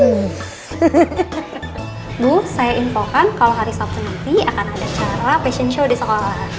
nanti saya infokan kalau hari satu nanti akan ada acara fashion show di sekolah